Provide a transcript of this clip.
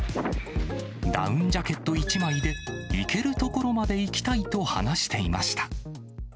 ダウンジャケット１枚で行ける所まで行きたいと話していました。